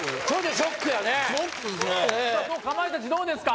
ショックですねこれかまいたちどうですか？